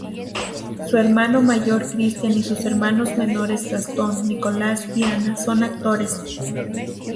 Su hermano mayor Cristian y sus hermanos menores Gastón, Nicolás y Ana son actores.